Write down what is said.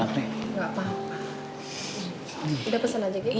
gak apa apa udah pesen aja gi